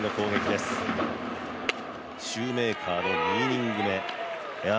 シューメーカーの２イニング目。